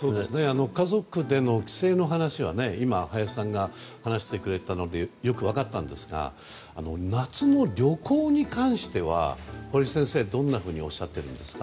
家族での帰省の話は今、林さんが話してくれたのでよく分かったんですが夏の旅行に関しては、堀先生どんなふうにおっしゃっているんですか。